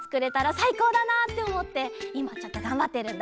さいこうだなっておもっていまちょっとがんばってるんだ。